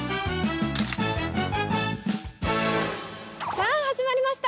さあ始まりました